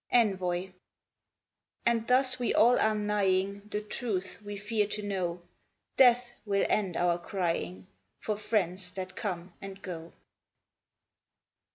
ENVOY And thus we all are nighing The truth we fear to know: Death will end our crying For friends that come and go.